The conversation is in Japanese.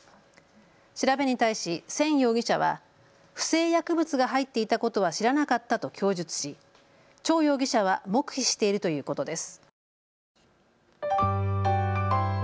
調べに対しせん容疑者は不正薬物が入っていたことは知らなかったと供述し趙容疑者は黙秘しているということです。